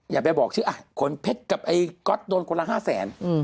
อย่าไปบอกชื่อขนเพชรกับไอ้ก๊อตโดนคนละ๕แสน